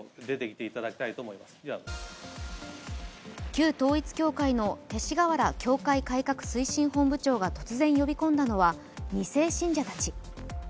旧統一教会の勅使河原教会改革推進本部長が突然呼び込んだのは２世信者たち。